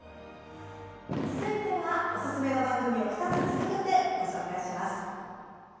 続いては、おすすめの番組を２つ続けてご紹介します。